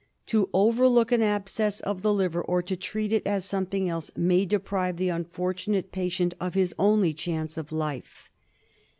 To overlook an abscess of the liver, or to treat it as something else, may deprive the unfortunate patient of his only chance of life.